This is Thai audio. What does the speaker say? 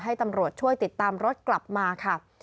ให้ตำรวจช่วยติดตามรถกลับมาค่ะ